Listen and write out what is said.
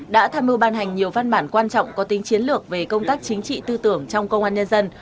đã tham mưu ban hành nhiều văn bản quan trọng có tính chiến lược về công tác chính trị tư tưởng trong công an nhân dân